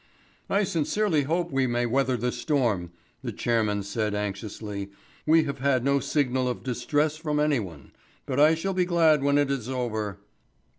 "I sincerely hope we may weather the storm," the chairman said anxiously. "We have had no signal of distress from anyone; but I shall be glad when it is over."